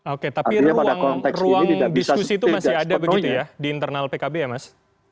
oke tapi ruang diskusi itu masih ada begitu ya di internal pkb ya mas